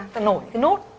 nó phải nổi cái nốt